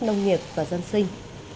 nông nghiệp và dân sinh